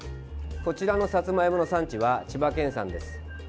こちらのさつまいもの産地は千葉県産です。